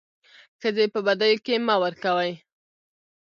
ښځي په بديو کي مه ورکوئ.